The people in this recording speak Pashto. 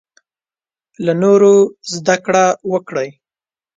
له نورو زده کړه وکړې.